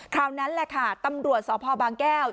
นั้นแหละค่ะตำรวจสพบางแก้ว